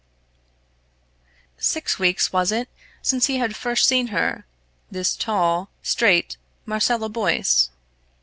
Six weeks was it since he had first seen her this tall, straight, Marcella Boyce?